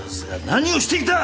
何をしていた！